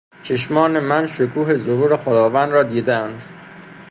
چشمان من شکوه ظهور خداوند را دیدهاند...